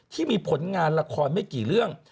ที่มีผลงานละครไม่กี่เรื่อง